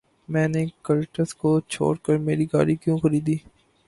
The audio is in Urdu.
میں نے کلٹس کو چھوڑ کر میرا گاڑی کیوں خریدی